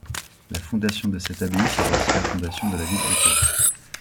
La fondation de cette abbaye sera aussi la fondation de la ville autour.